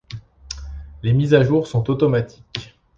Les mises à jour sont automatiques.